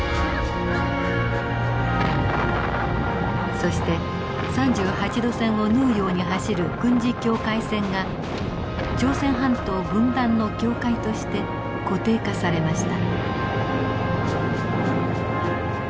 そして３８度線を縫うように走る軍事境界線が朝鮮半島分断の境界として固定化されました。